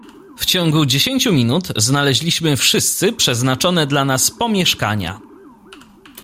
"W ciągu dziesięciu minut znaleźliśmy wszyscy przeznaczone dla nas pomieszkania."